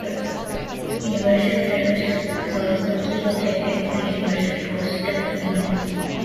Universal service is also a key objective of the Universal Postal Union.